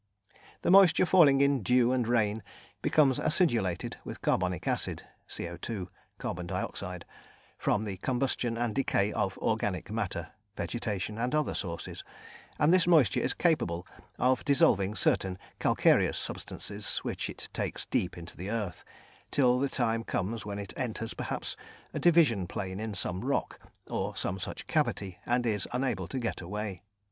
The moisture falling in dew and rain becomes acidulated with carbonic acid, CO_ (carbon dioxide), from the combustion and decay of organic matter, vegetation, and other sources, and this moisture is capable of dissolving certain calcareous substances, which it takes deep into the earth, till the time comes when it enters perhaps a division plane in some rock, or some such cavity, and is unable to get away.